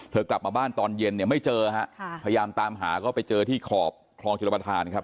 กลับมาบ้านตอนเย็นเนี่ยไม่เจอฮะค่ะพยายามตามหาก็ไปเจอที่ขอบคลองชลประธานครับ